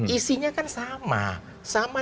isinya kan sama sama